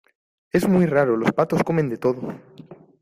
es muy raro, los patos comen de todo